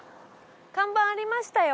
看板ありましたよ。